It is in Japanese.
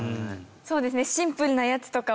そうですね。